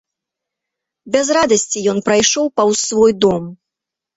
Без радасці ён прайшоў паўз свой дом.